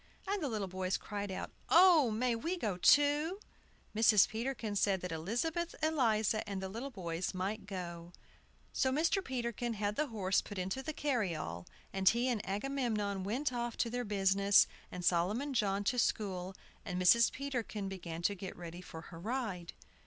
And the little boys cried out, "Oh, may we go too?" Mrs. Peterkin said that Elizabeth Eliza and the little boys might go. So Mr. Peterkin had the horse put into the carryall, and he and Agamemnon went off to their business, and Solomon John to school; and Mrs. Peterkin began to get ready for her ride.